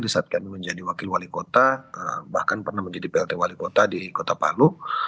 saat kami menjadi wakil wali kota bahkan pernah menjadi plt wali kota di kota palu